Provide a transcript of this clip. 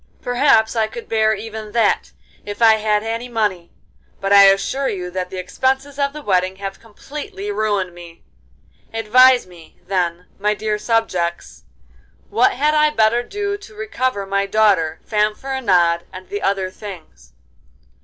Perhaps I could bear even that if I had any money, but I assure you that the expenses of the wedding have completely ruined me. Advise me, then, my dear subjects, what had I better do to recover my daughter, Fanfaronade, and the other things.